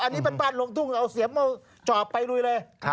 อันนี้บ้านลงทุ่งเอาเสียมจอบไปลุยเลย